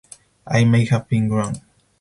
I may have been wrong.